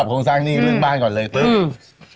โครงสร้างหนี้เรื่องบ้านก่อนเลยปุ๊บ